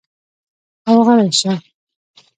او غلے شۀ ـ